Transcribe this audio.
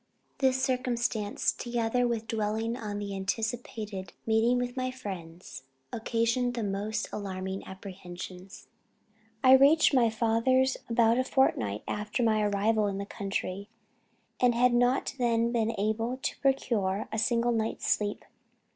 This circumstance, together with dwelling on the anticipated meeting with my friends, occasioned the most alarming apprehensions. "I reached my father's about a fortnight after my arrival in the country and had not then been able to procure a single night's sleep.